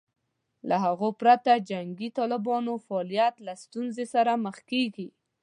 له هغوی پرته د جنګي طالبانو فعالیت له ستونزې سره مخ کېږي